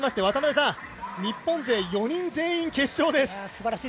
渡辺さん日本勢、４人全員、決勝です！